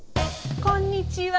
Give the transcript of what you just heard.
こんにちは。